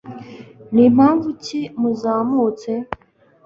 ni mpamvu ki muzamutse